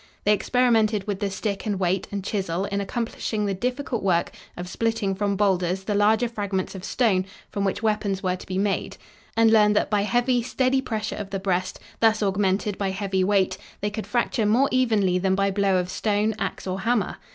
They experimented with the stick and weight and chisel in accomplishing the difficult work of splitting from boulders the larger fragments of stone from which weapons were to be made, and learned that by heavy, steady pressure of the breast, thus augmented by heavy weight, they could fracture more evenly than by blow of stone, ax or hammer.